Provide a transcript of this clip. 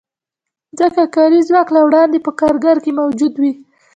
ځکه کاري ځواک له وړاندې په کارګر کې موجود وي